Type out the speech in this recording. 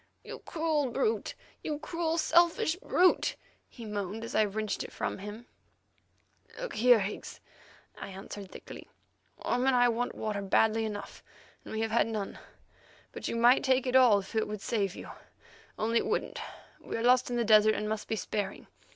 "You cruel brute! You cruel selfish brute!" he moaned as I wrenched it from him. "Look here, Higgs," I answered thickly; "Orme and I want water badly enough, and we have had none. But you might take it all if it would save you, only it wouldn't. We are lost in the desert, and must be sparing.